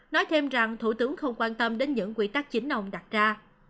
nói thêm rằng thủ tướng không quan tâm đến những quy tắc chính ông đặt ra